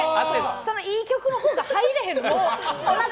そのいい曲のほうが入らへんの！